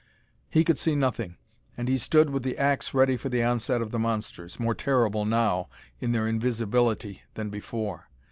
He could see nothing, and he stood with the ax ready for the onset of the monsters, more terrible now, in their invisibility, than before.